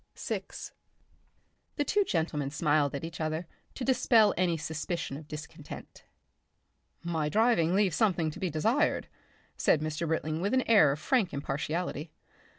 Section 6 The two gentlemen smiled at each other to dispel any suspicion of discontent. "My driving leaves something to be desired," said Mr. Britling with an air of frank impartiality.